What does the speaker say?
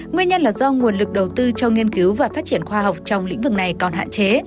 nguyên nhân là do nguồn lực đầu tư cho nghiên cứu và phát triển khoa học trong lĩnh vực này còn hạn chế